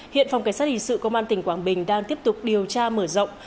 hiện phòng cảnh sát hình sự công an tỉnh quảng bình đang tiếp tục điều tra mở rộng